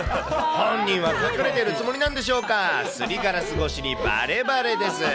本人は隠れているつもりなんでしょうか、すりガラス越しにばればれです。